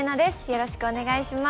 よろしくお願いします。